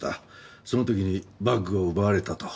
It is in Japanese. その時にバッグを奪われたと。